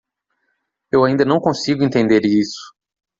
Eu ainda não consigo entender isso.